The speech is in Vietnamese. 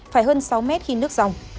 phải hơn sáu mét khi nước dòng